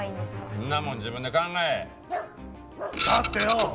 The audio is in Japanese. そんなもん自分で考え！だってよ